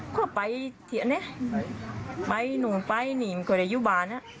ก็ไปเฉียนไปอีกหนูไปนี่ก็จะ่อยู่บ้าน